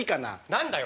何だよ。